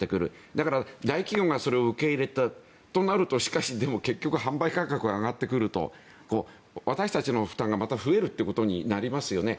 だから、大企業がそれを受け入れたとなるとしかしでも結局販売価格が上がってくると私たちの負担がまた増えるということになりますよね。